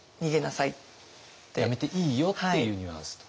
やめていいよっていうニュアンスとか。